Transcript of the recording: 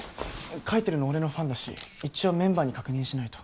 書いてるの俺のファンだし一応メンバーに確認しないと。